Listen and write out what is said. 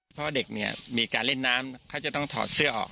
เพราะเด็กเนี่ยมีการเล่นน้ำเขาจะต้องถอดเสื้อออก